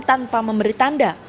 tanpa memberi tanda